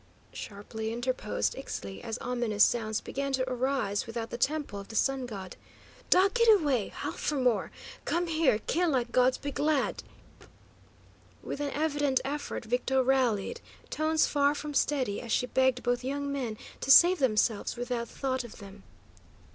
sharply interposed Ixtli, as ominous sounds began to arise without the Temple of the Sun God. "Dog git 'way, howl for more. Come here kill like gods be glad." With an evident effort Victo rallied, tones far from steady as she begged both young men to save themselves without thought of them.